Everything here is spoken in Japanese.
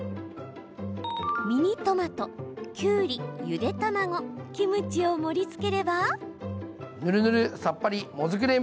ミニトマト、きゅうりゆで卵、キムチを盛りつければ。